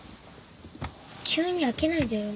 急に開けないでよ。